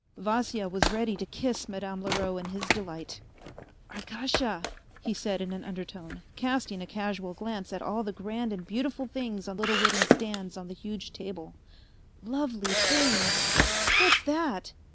Vasya was ready to kiss Madame Leroux in his delight. ..." Arkasha," he said in an undertone, casting a casual glance at all the grand and beautiful things on little wooden stands on the huge table, " lovely things ! What's that